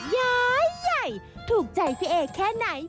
ยายถูกใจพี่เอ๋แค่ไหน